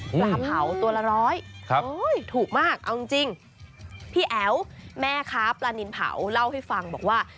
ปลาเผาตัวละร้อยถูกมากเอาจริงพี่แอ๋วแม่ค้าปลานินเผาเล่าให้ฟังบอกว่า